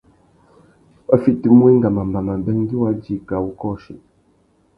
Wá fitimú wenga mamba mabê ngüi wa djï kā wu kôchi.